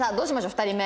２人目。